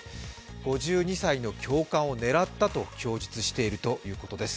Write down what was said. ５２歳の教官を狙ったと供述しているということです。